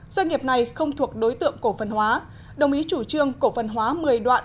doanh nghiệp này không thuộc đối tượng cổ phần hóa đồng ý chủ trương cổ phần hóa một mươi đoạn